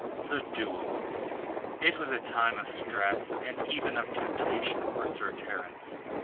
THE DUEL It was a time of stress and even of temptation for Sir Terence.